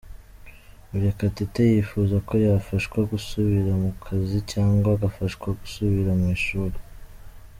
Murekatete yifuza ko yafashwa gusubira mu kazi, cyangwa agafashwa gusubira mu ishuri.